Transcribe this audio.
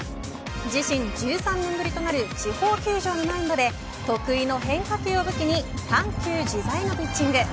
自身１３年ぶりとなる地方球場のマウンドで得意の変化球を武器に緩急自在のピッチング。